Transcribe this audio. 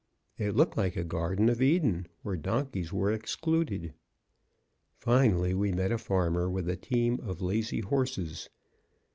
It looked like a Garden of Eden, where donkeys were excluded. Finally we met a farmer with a team of lazy horses.